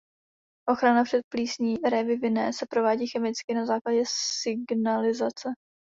Ochrana před plísní révy vinné se provádí chemicky na základě signalizace.